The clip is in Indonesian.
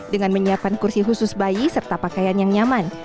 dengan menyiapkan kursi khusus bayi serta pakaian yang nyaman